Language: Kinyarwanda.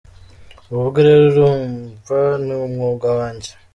Ubwo rero urumva ni umwuga wanjye.